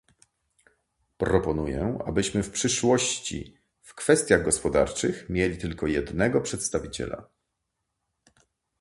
Proponuję, abyśmy w przyszłości w kwestiach gospodarczych mieli tylko jednego przedstawiciela